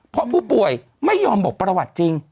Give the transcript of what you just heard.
เพราะผู้ป่วยไม่ยอมบอกประวัติจริง